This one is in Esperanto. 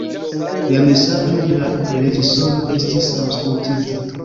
La mesaĝo de la reĝisoro estis aŭskultita.